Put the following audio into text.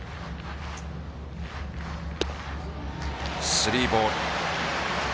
スリーボール。